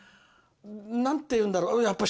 何て言うんだろう。